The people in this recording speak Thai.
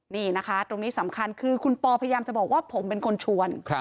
นี่นะคะตรงนี้สำคัญคือคุณปอพยายามจะบอกว่าผมเป็นคนชวน